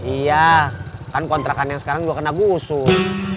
iya kan kontrakan yang sekarang juga kena gusur